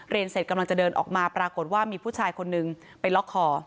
เสร็จกำลังจะเดินออกมาปรากฏว่ามีผู้ชายคนนึงไปล็อกคอ